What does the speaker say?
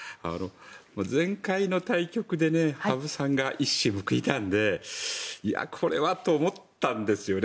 前回の対局で羽生さんが一矢報いたのでこれはと思ったんですよね。